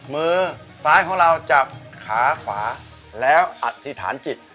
มือซ้ายของเราจับขาขวาแล้วอธิษฐานจิต